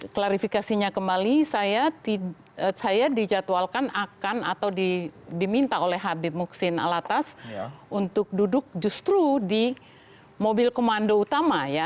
klarifikasinya kembali saya dijadwalkan akan atau diminta oleh habib muksin alatas untuk duduk justru di mobil komando utama ya